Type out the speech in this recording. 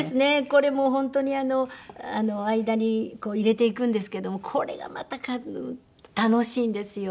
これもう本当にあの間にこう入れていくんですけどもこれがまた楽しいんですよ。